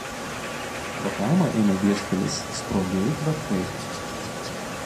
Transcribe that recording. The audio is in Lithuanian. Pro kaimą eina vieškelis Spruogiai–Kvetkai.